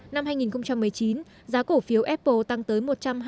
năm hai nghìn một mươi chín giá cổ phiếu apple tăng tới một trăm hai mươi hai ba